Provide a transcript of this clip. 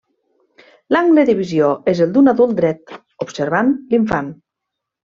L'angle de visió és el d'un adult dret, observant l'infant.